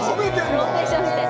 ローテーションして。